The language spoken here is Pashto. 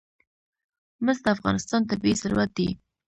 مس د افغانستان طبعي ثروت دی.